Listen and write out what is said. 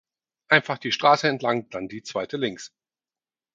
Einfach die Straße entlang, dann die zweite links